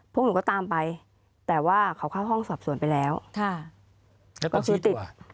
พวกหนูก็ตามไปแต่ว่าเขาเข้าห้องสอบสวนไปแล้วแล้วก็ชี้ติด